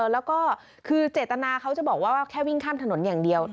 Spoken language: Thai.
แล้วก็คือเจตนาเขาจะบอกว่าแค่วิ่งข้ามถนนอย่างเดียว